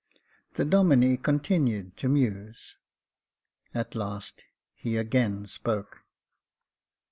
The Domine continued to muse — at last he again spoke.